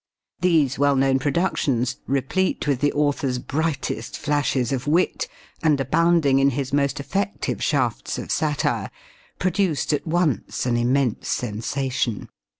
These well known productions, replete with the author's brightest flashes of wit, and abounding in his most effective shafts of satire, produced at once an immense sensation.